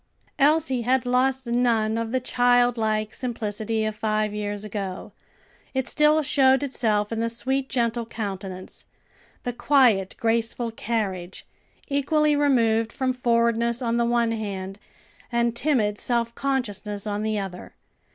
Elsie had lost none of the childlike simplicity of five years ago; it still showed itself in the sweet, gentle countenance, the quiet graceful carriage, equally removed from forwardness on the one hand, and timid self consciousness on the other.